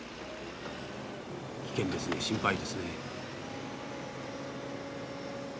危険ですね心配ですね。